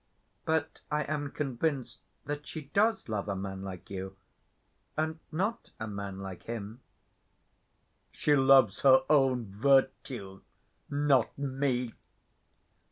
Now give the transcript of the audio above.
"But I am convinced that she does love a man like you, and not a man like him." "She loves her own virtue, not me."